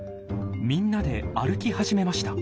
みんなで歩き始めました。